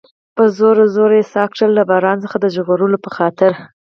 په زوره زوره یې ساه کښل، له باران څخه د ژغورلو په خاطر.